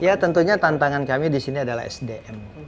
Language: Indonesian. ya tentunya tantangan kami disini adalah sdm